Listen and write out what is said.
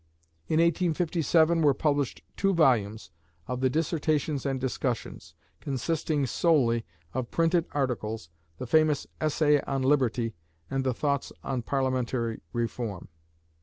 In 1857 were published two volumes of the "Dissertations and Discussions," consisting solely of printed articles, the famous essay "On Liberty," and the "Thoughts on Parliamentary Reform."